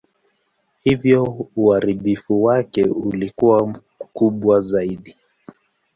Hivyo uharibifu wake ulikuwa kubwa zaidi.